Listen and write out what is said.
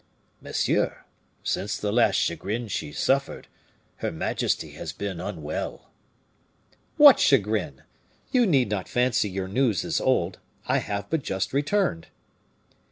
"Monsieur, since the last chagrin she suffered, her majesty has been unwell." "What chagrin? You need not fancy your news is old. I have but just returned."